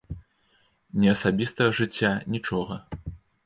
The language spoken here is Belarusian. Ні асабістага жыцця, нічога.